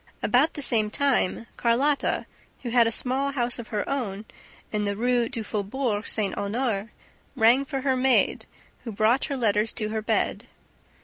About the same time, Carlotta, who had a small house of her own in the Rue du Faubourg St. Honore, rang for her maid, who brought her letters to her bed.